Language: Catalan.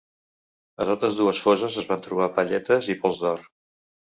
A totes dues fosses es van trobar palletes i pols d'or.